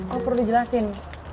oh perlu dijelasin